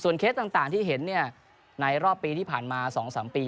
เคสต่างที่เห็นในรอบปีที่ผ่านมา๒๓ปี